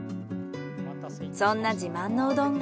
そんな自慢のうどんが。